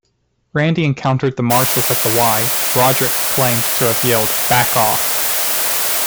Randy encountered the marshals at the "Y"; Roderick claimed to have yelled, "Back off!